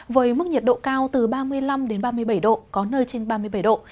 với mức nhiệt độ cao từ ba mươi năm ba mươi bảy độ có nơi trên ba mươi bảy độ